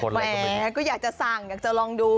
แหมก็อยากจะสั่งอยากจะลองดู